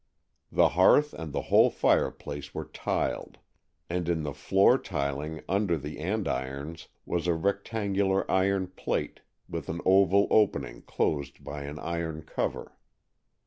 The hearth and the whole fireplace were tiled, and in the floor tiling, under the andirons, was a rectangular iron plate with an oval opening closed by an iron cover.